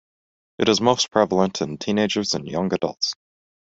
It is most prevalent in teenagers and young adults.